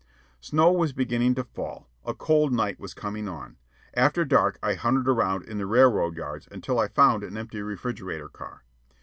Snow was beginning to fall. A cold night was coming on. After dark I hunted around in the railroad yards until I found an empty refrigerator car.